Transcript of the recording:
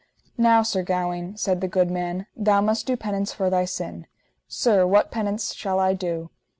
Now, Sir Gawaine, said the good man, thou must do penance for thy sin. Sir, what penance shall I do?